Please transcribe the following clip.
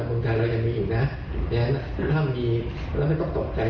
ในสังคมไทยเรายังมีอีกนะอย่างนั้นห้ามมีแล้วไม่ต้องตกใจ